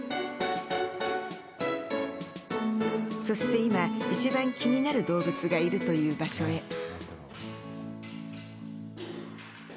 そして今、いちばん気になる動物がいるという場所へ。